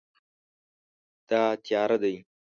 دا تیاره دی